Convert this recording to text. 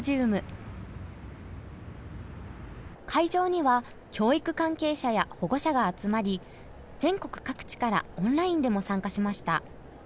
会場には教育関係者や保護者が集まり全国各地からオンラインでも参加しました。